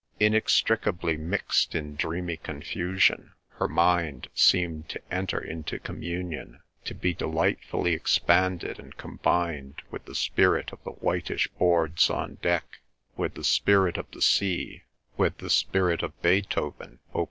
Inextricably mixed in dreamy confusion, her mind seemed to enter into communion, to be delightfully expanded and combined with the spirit of the whitish boards on deck, with the spirit of the sea, with the spirit of Beethoven Op.